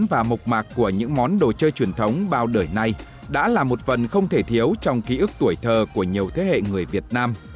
và mộc mạc của những món đồ chơi truyền thống bao đời nay đã là một phần không thể thiếu trong ký ức tuổi thơ của nhiều thế hệ người việt nam